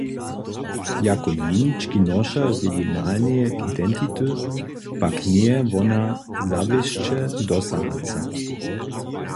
Jako jenički nošer regionalneje identity pak njeje wona zawěsće dosahaca.